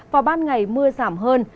vào ban ngày mưa giảm hơn